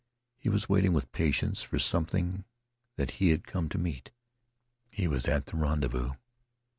He was waiting with patience for something that he had come to meet. He was at the rendezvous.